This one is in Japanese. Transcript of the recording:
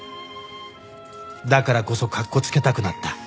だからこそ格好つけたくなった。